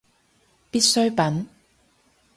必需品